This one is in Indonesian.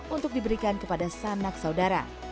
untuk diberikan kepada sanak saudara